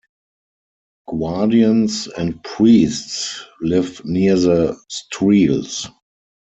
Guardians and priests live near the Streels.